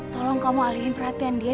tolong kamu alihin perhatian dia